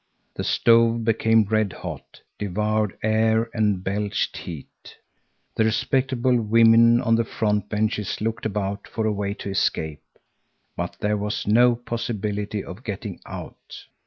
The stove became red hot, devoured air and belched heat. The respectable women on the front benches looked about for a way to escape, but there was no possibility of getting out.